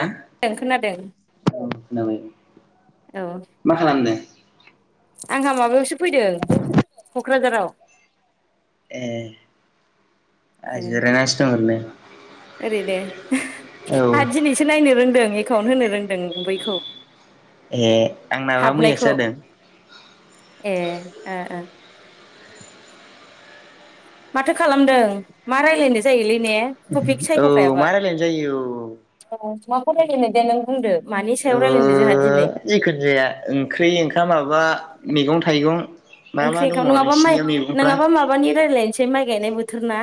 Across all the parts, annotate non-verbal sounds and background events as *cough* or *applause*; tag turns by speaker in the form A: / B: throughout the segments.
A: औ
B: ओं खोनादों
A: खोनाबाय
B: औ
A: मा खालामदों?
B: आंहा माबायावसो फैदों क'क्राझाराव
A: ए। आं
B: ए
A: जिरायनासो दं ओरैनो
B: ओरैनो *unintelligible* आंहा
A: औ
B: दिनैसो नायनो रोंदों एकाउन्ट होनो रोंदों बैखौ
A: ए आंनाबा
B: हाबनायखौ
A: मैयासो जादों।
B: ए ओ ओ। माथो खालामदों? मा रायलायनाय जायोलै ने टपिक
A: औ
B: सायख'खायाबा
A: मा रायलायनो जायो औ।
B: खौ रायलायनो दे नों बुंदो। मानि सायाव
A: ओ
B: रायलायनो जोंहा दिनै
A: जेखुनु जाया ओंख्रि ओंखाम माबा मैगं थाइगं मा मा
B: ओंख्रि
A: दङ
B: ओंखाम नङाबा माइ
A: नोंसिनिया मैगंफ्रा
B: नङाबा माबानि रायज्लायनोसै माइ गायनाय बो बोथोरना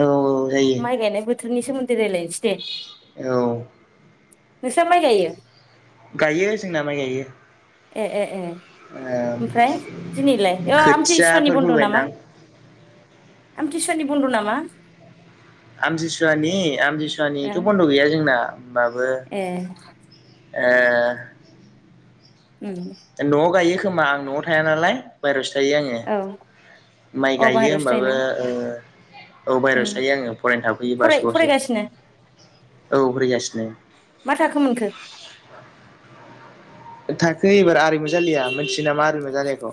A: औ औ जायो।
B: थोरनि सोमोन्दै रायलाय
A: औ
B: नोंसा माइ गायो?
A: गायो जोंना माइ गायो।
B: ए ए ए
A: ओम
B: ओमफ्राय दिनैलाय आमथि सुवानि बन्द' नामा? आमथि सुवानि बन्द' नामा?
A: आमथि सुवानिथ' आमथि
B: ओ
A: सुवानिथ'' बन्द' गैया जोंना।
B: ए
A: ए
B: उम
A: न'आव गायो। खोमा आं न'आव थाया नालाय बाहेरावसो थायो आङो
B: औ
A: माइ
B: अ
A: गायो
B: बाहेरायावसो
A: होमबाबो।
B: थायोना
A: ओ औ
B: उम
A: बाहेरावसो थायो आङो फरायनो थाफैयो
B: फराय
A: बासुगावसो।
B: फरायगासिनो
A: औ फोरैगासिनो
B: मा
A: ।
B: थाखो मोनखो
A: थाखो एबार आरिमु जालिया मिथियो नामा आरिमु जालियाखौ?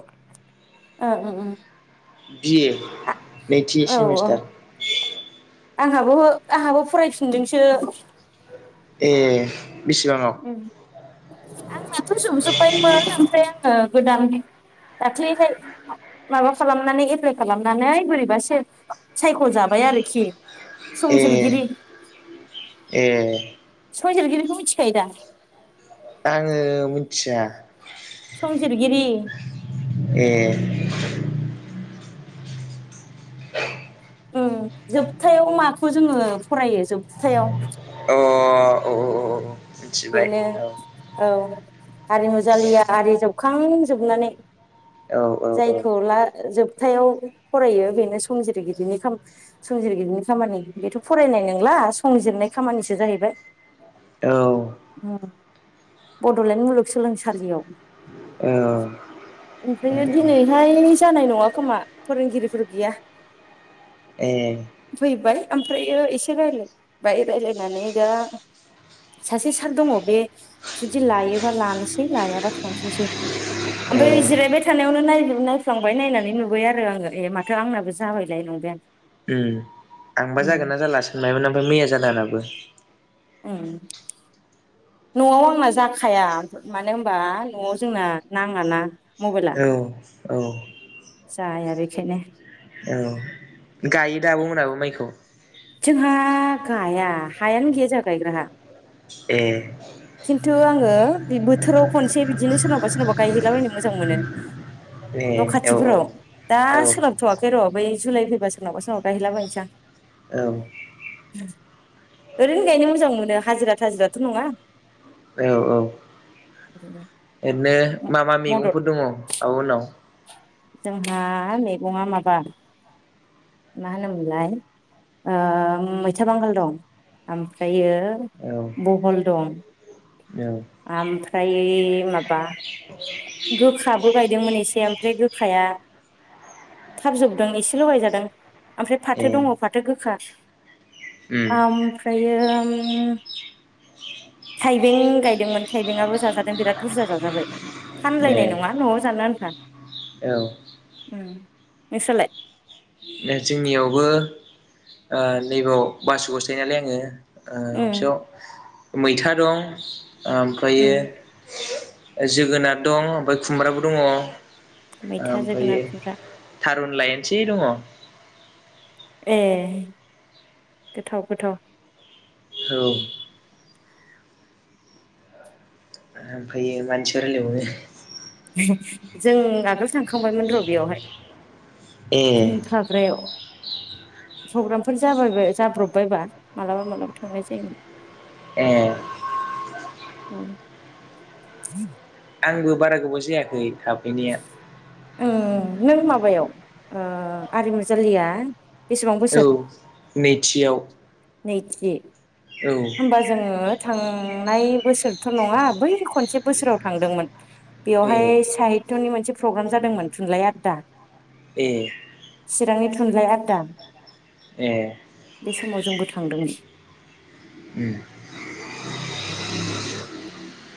B: औ उ उम
A: बिए
B: आ
A: नैथि
B: औ औ
A: सेमिस्टार।
B: आंहाबो आंहाबो फरायफिनदोंसो।
A: ए बेसेबाङाव
B: उम आंनाथ' जोबजोबायमोन ओमफ्राय आङो गोदान दाख्लैहाय माबा खालामनानै एप्लाय खालामनानै बोरैबा सायख'जाबाय आरोखि।
A: ए
B: संजिरगिरि
A: ए
B: संजिरगिरिखौ मिथि खायोदा?
A: आङो मिथिया।
B: संजिरगिरि
A: ए औ
B: उम जोबथायाव माखौ जोङो फरायो जोबथायाव?
A: अ अ औ औ मिथिबाय
B: बेनो
A: औ
B: औ आरिमु जाालिया आरि जोब खांजोबनानै
A: औ औ औ
B: जायखौ ला जोब थायाव फरायो बेनो संजिरगिरिनि खामानि संजिरगिरिनि खामानि बेथ' फरायनाय नंला संजिरनाय खामानिसो जाहैबाय।
A: औ
B: उम बड'लेण्ड मुलुगसोलोंसालियाव।
A: औ
B: ओमफ्राय दिनैहाय जानाय नङा खोमा फोरोंगिरिफोर गैया।
A: ए
B: फैबाय ओमफ्रायो एसे रायलायबाय रायलायनानै दा सासे सार दङ बे जुदि लायोबा लानोसै लायाबा थांफिनसै ओमफ्राय
A: ए
B: जिरायबाय थानायावनो नाय नायफ्लांबाय नायनानै नुबाय आरो आङो ए माथो आंनाबो जाबायलाय नंबाय आं।
A: उम आंबा जागोन
B: उम
A: ना जाला सानबायमोन ओमफ्राय मैया जादों आंनाबो।
B: उम न'आव आंना जाखाया मानो होनबा न'आव जोंना नाङाना मबाइला
A: औ औ
B: जाया बेखायनो
A: औ गायोदा आब'मोनाबो माइखौ‌?
B: जोंहा गाया हायानो गैया जोंहा गायग्रा हा।
A: ए
B: खिन्थु आङो बे बोथोराव खनसे बिदिनो सोरनावबा सोरनावबा गायहैलाबायनो मोजां मोनो। न'
A: ए औ
B: खाथिफोराव दा
A: औ
B: सोलाबथ'वाखै र' बै जुलाइ फैबा सोरनावा सोरनाव गायहैलाबायनोसां।
A: औ
B: ओरैनो गायनो मोजां मोनो हाजिरा थाजिराथ' नङा।
A: औ औ
B: ज *inaudible*
A: ओरैनो मा मा मैगंफोर दङ? आब'मोननाव?
B: जोंहा मैगं माबा मा होनोमोनलाय ओ मैथा बांगाल दं ओमफ्रायो
A: औ
B: बहल दं
A: औ
B: आमफ्रा दायो माबा गोखाबो गायदोंमोन एसे ओमफ्राय गोखाया थाब जोबदों एसेल' गायजादों ओमफ्राय
A: ए
B: फाथो दङ फाथो गोखा
A: उम
B: ओमफ्रायो थाइबें गायदोंमोन थाइबेंआबो जाजादों बिराद बुरजा जाजाबाय
A: ए
B: फानलायनाय नङा नआव जानो आन्था।
A: औ
B: नोंस्रालाय?
A: जोंनियावबो ओ नैबाव बासुगाववासो थायो नालाय आङो
B: उम
A: ओ *unintelligible* मैथा दं,
B: उम
A: ओमफ्रायो जोगोनार दं ओमफ्राय खुमब्राबो दङ।
B: मैथा, जोगोनार,
A: ओमफ्रायो
B: खुमब्रा
A: थारुन लायेनसे दङ।
B: ए गोथाव गोथाव।
A: औ ओमफ्रायो मानसिफोर रायलायबावङो
B: जों आग थांखांबायमोन र बेयावहाय
A: ए
B: नों थाग्रायाव प्रग्रामफोर जाबाय बाय जाब्रबबायबा मालाबा मालाबा थांनाय जायोमोन।
A: एह।
B: औ *inaudible*
A: आंबो बारा गोबाव जायाखै थाफैनाया।
B: ओह नों माबायाव ओह आरिमु जाालिया।
A: औ नैथियाव।
B: नैथि।
A: औ
B: होमबा जोङो थांनाय। बोसोरथ' नङा बै खनसे बोसोराव थांदोंमोन।
A: ए
B: बेवहाय साहितनि मोनसे फ्रग्रान जादोंमोन थुनलाइ आददा।
A: एह।
B: चिरांनि थुनलाइ आददा।
A: ए
B: बे समाव जोंबो थांदों।
A: उम *inaudible*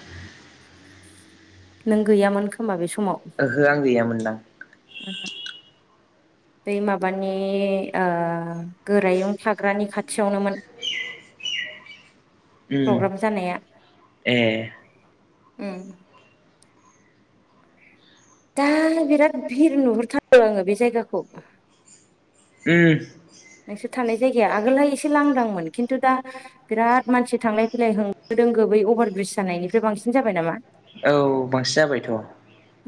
B: नों गैयामोन खोमा बे स
A: ओहो आं गैयामोनदां।
B: ओम ओम बै माबानि आह गोरायुं थाग्रानि खाथियावनोमोन।
A: उम
B: प्रग्राम जानाया
A: एह।
B: उम ओम। दा बिराद भिर नुहुरथारो आङो बे जायगाखौ।
A: ओम।
B: नोंसोर थानाय जायगाया आगोलहाय एसे लांदांमोन खिन्तु दा बिराद मानसि थांलाय फैलाय होंगो दोंगो बै अभार ब्रिज जानायनिफ्राय बांसिन जाबाय नामा?
A: औ बांसि जाबायथ'।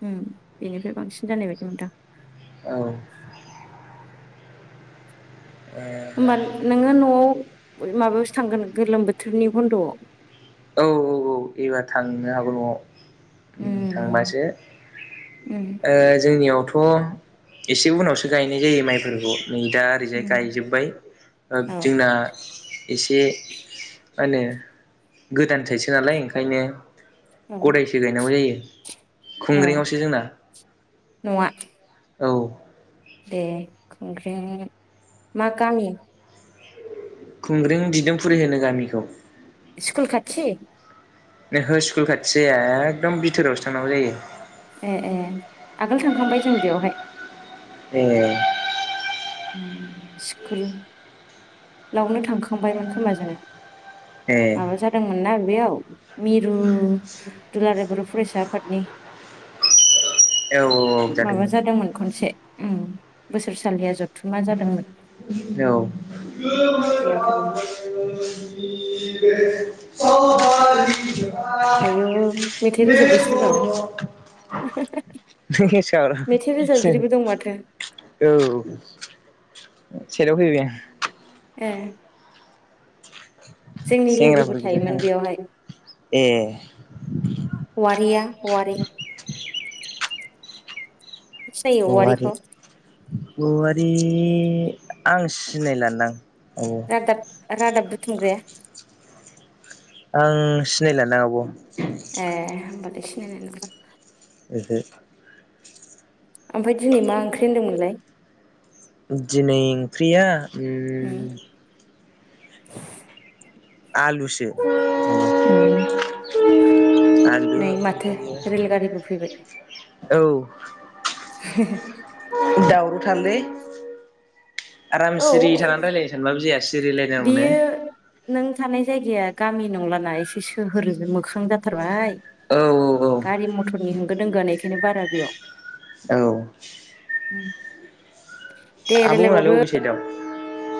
B: उम इनिफ्राय बांसिन जानाय बायदि मोनदां।
A: औ औ। ओ
B: होमबा
A: *inaudible*
B: नोङो न'आव ओरै माबायावसो थांगोन नों गोलोम बोथोरनि बन्द'आव।
A: औ औ औ एबार थांनो हागौ न'आव। *unintelligible*
B: उम
A: थांबासो
B: उम
A: ओह जोंनियावथ' थ' एसे उनावसो गायनाय जायो माइफोरखौ। नै दा ओरैजाय
B: उम
A: गायजोब्बाय ओ
B: औ
A: जोंना एसे मा ओनो। गोदान थाइसो आलाय ओंखायनो।
B: औ
A: गदायसो गायनांगौ जायो।
B: औ
A: खुंग्रियावसो जोंना।
B: नङा
A: औ।
B: दे खुंख्रिंनि मा गामि?
A: खुंग्रिं
B: स्कुल खाथि?
A: ओहो स्कुल खाथि जाया एकदम बिथोरावसो थांनांगौ जायो।
B: ए ए आगोल थांखांबाय जों बेयावहाय।
A: ए।
B: उम स्कुल लावनो थांखांबायमोन खोमा जोङो।
A: ए
B: माबा जादोंमोन ना? बेयाव मिरु दुलाराय बर' फरायसा आफादनि
A: औ
B: माबा जादोंमोन खनसे उम बोसोरसालिया जोब थुमा जादोंमोन। बेयाव थांदों
A: औ
B: आयौ
A: *inaudible*
B: मेथाइ रोजाबबाय सोरबा
A: *inaudible*
B: मेथाइ रोजाबगिरिबो दं माथो
A: *inaudible* सेराव फैबाय आ
B: ए। जोंनि लोगोबो
A: सेंग्राफोर बिदिनो
B: थायोमोन बेयावहाय
A: थानो ए
B: वारिया वारि। सिनायो
A: औवारि
B: वारिखौ
A: औवारि। आं सिनायलादां औ
B: रादाब रादाब थुमग्राया
A: आं सिनायला दां आब'।
B: सिन
A: जै
B: ओमफ्राय दिनै मा ओंख्रि होनदोंमोनलाय?
A: दिनै ओंख्रिया उम
B: *inaudible*
A: आलुसो
B: उम
A: *inaudible* आलु
B: नै माथो रेलगारिबो फैबाय
A: ओमफ्रायो औ।
B: *inaudible*
A: दावरावथार *inaudible* लै आराम सिरि थानानै रायलायनो सानबाबो जायासै।
B: बेयो नों थानाय जायगाया गामि नंलाना एसे सोहोरजों मोखां जाथारबाय।
A: औ औ औ।
B: गारि मथरनि होंगो दोंगोआ एखायनो बारा बेयाव
A: औ
B: उम।
A: आब'मोनालाय बबे साइददाव?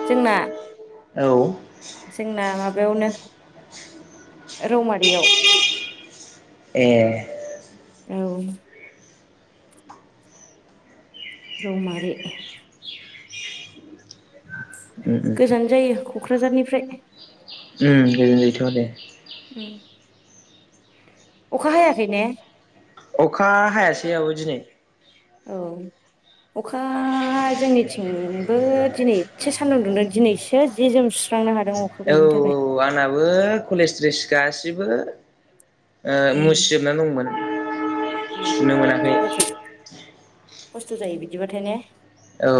B: जोंना जोंना
A: औ।
B: माबायावनो रौमारियाव।
A: ए।
B: औ। रौमारि।
A: उम उम
B: गोजान जायो क'क्राझारनिफ्राय।
A: उम गोजोन जायोथ' आरो।
B: अखा हायाखै ने?
A: अखा हायासै आब' दिनै।
B: औ अखा जोंनिथिंबो दिनै एसे सान्दुं दुंदों दिनैसो जि जोम सुस्रांनो हादों। अखा गैयैनि थाखाय।
A: बो कलेज द्रेस गासिबो ओ
B: उम
A: मुसिजोबना दंमोन
B: उम
A: सुनो मोनाखै।
B: खस्थ' जाथारो खस्थ' जायो बिदिबाथाय ने।
A: औ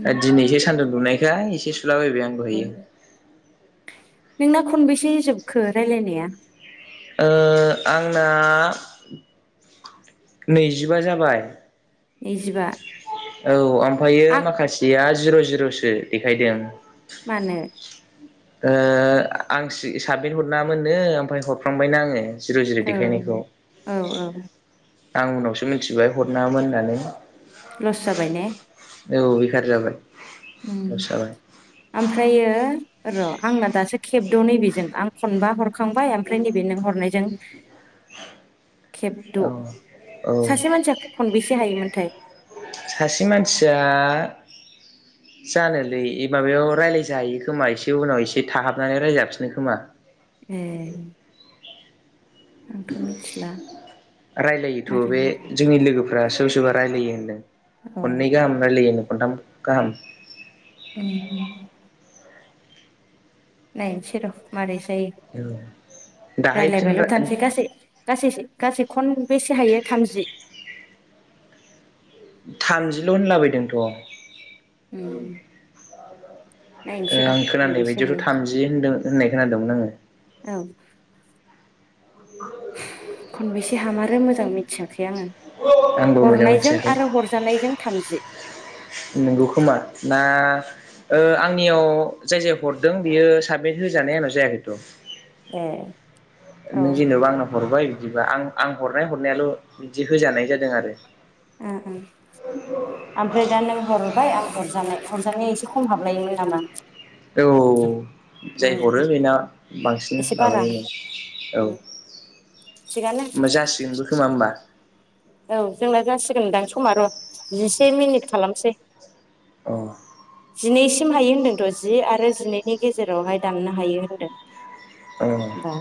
B: उम
A: दिनैसो सान्दुं दुंनाय *unintelligible* एसे सुलाबायबाय आं दहैयो।
B: नोंना खनबेसे जोबखो रायलायनाया?
A: ओ आंना नैजिबा जाबाय।
B: नैजिबा।
A: औ ओमफ्रायो
B: आं
A: माखासेया जिर' जिर'सो देखायदों।
B: मानो?
A: ओ आं साबमिट हरनाङामोननो ओमफ्राय हरफ्रांबायना आङो। जिर' जिर'
B: औ
A: देखायनायखौ।
B: औ औ
A: आं उनावसो मिथिबाय हरनाङामोन होननानै।
B: लस जाबाय ने?
A: औ बेखार जाबाय।
B: उम
A: लस जाबाय
B: ओमफ्रायो र' आंना दासो खेबद' नैबेजों आं खनबा हरखांबाय ओमफ्राय नैबे नों हरनायजों खेबद'
A: औ औ
B: सासे मानसिया खनबेसे हायोमोनथाय?
A: सासे मानसिया जानोलै माबायाव रायज्लाय जायो खोमा एसे उनाव एसे थाहाबनानै रायलाय जाफिनो खोमा।
B: ए आंथ' मिथिला
A: रायलायोथ'
B: मारै
A: बे
B: मारै
A: जोंनि लोगोफ्रा सोरबा सोरबा रायलायो होनदों
B: औ
A: खननै गाहाम रायलायोनो खन्थाम गाहाम
B: ओम ओम नायनोसै‌ र मारै स
A: दाहाय फिन
B: रायलायबायल' थानोसै गासै गासै गासै खनबेसे हायो थामजि
A: थामजिल' होनलाबायदोंथ'
B: ओम
A: ओ आं खोनानाय बायदियावथ' थामजि होनदों होननाय खोनादोंमोन आङो
B: औ खनबेसे हामारो मोजां मिथियाखै आङो
A: आंबो मोजां
B: हरनायजों आरो हरजानायजों थामजि
A: नोंगौ खोमा ना ओ आंनियाव जाय जाय हरदों बियो साबमिट होजानाय आंनाव जायाखैथ'
B: ए औ
A: नों जेनबा आंनो हरबाय बिदिबा आं आं हरनाय हरनायाल' बिदि होजानाय जादों आरो
B: ओम ओम आम फ्राय दा नों हरबाय आं हरजानाय हरजानाया एसे खम हाबलायोमोन नामा
A: औ जाय
B: उम
A: हरो बेना बांसिन
B: एसे बारा
A: माबायोनो औ
B: उम थिगानो
A: ओमबा जासिगोनबो खोमा होमबा
B: औ जोंना जासिगोनदां समा र जिसे मिनिट खालामसै
A: अ
B: जिनैसिम हायो होन्दोंथ' जि आरो जिनैनि गेजेरावहाय दाननो हायो होनदों
A: औ
B: दा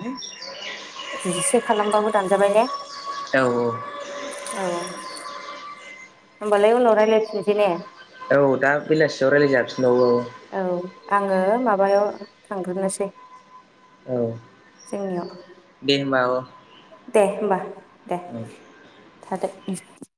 B: जिसे खालामबाबो दानजाबाय ने
A: औ औ
B: औ होमबालाय उनाव रायलफिननोसै ने
A: औ दा बेलासियाव रायज्लायजाबफिनबावो
B: औ आङो माबायाव थांग्रोनोसै
A: औ
B: जोंनियाव
A: दे होमबा औ
B: दे होमबा दे
A: औ।
B: थादो ओम